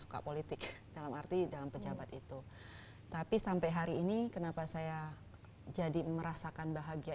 suka politik dalam arti dalam pejabat itu tapi sampai hari ini kenapa saya jadi merasakan bahagia